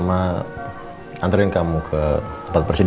jadi tau gak apa apa sih